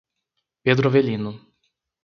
Pedro Avelino